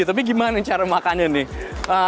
tapi gimana cara makannya nih